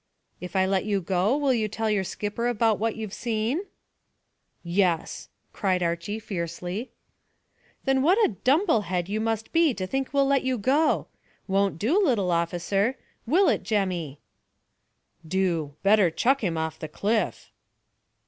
"If I let you go will you tell your skipper about what you've seen?" "Yes," cried Archy fiercely. "Then what a dumble head you must be to think we'll let you go. Won't do, little officer; will it, Jemmy?" "Do! Better chuck him off the cliff."